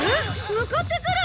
向かってくる！